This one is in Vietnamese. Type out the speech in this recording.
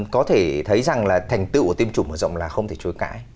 có thể thấy rằng là thành tựu của tiêm chủng mở rộng là không thể chối cãi